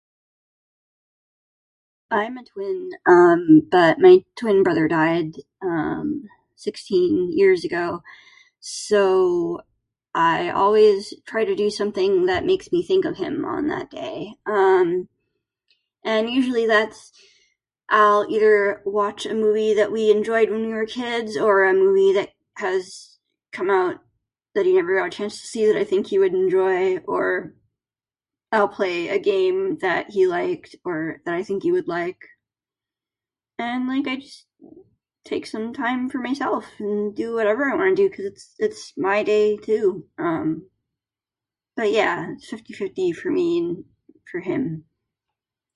I'm a twin, um, but my twin brother died, um, sixteen years ago. So, I always try to do something that makes me think of him on that day. Um, and usually that's... I'll either watch a movie that we enjoyed when we were kids, or a movie that has come out that he never got a chance to see that I think he would enjoy. Or I'll play a game that he liked, or that I think he would like. And, like, I just take some time for myself and do whatever I wanna do cuz it's my day, too. Um, but yeah, it's fifty/fifty for me and for him.